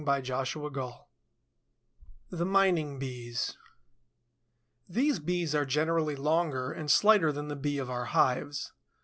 CHAPTER V THE MINING BEES These Bees are generally longer and slighter than the Bee of our hives.